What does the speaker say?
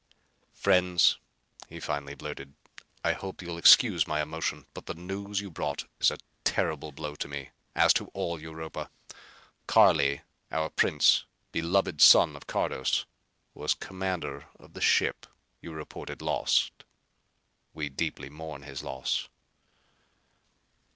"Friends," he finally blurted, "I hope you'll excuse my emotion but the news you brought is a terrible blow to me as to all Europa. Carli, our prince, beloved son of Cardos, was commander of the ship you reported lost. We deeply mourn his loss."